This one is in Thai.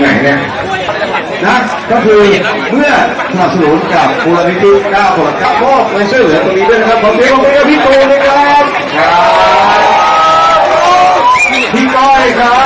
พี่ก้อยครับผมมหาชนครับผมนะครับมองแล้วสนับ